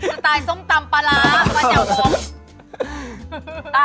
สไตล์ส้มตำปลาร้ามันจะบ่ม